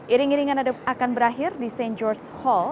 iring iringan akan berakhir di st george hall